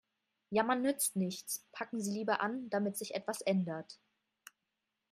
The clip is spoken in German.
Jammern nützt nichts, packen Sie lieber an, damit sich etwas ändert.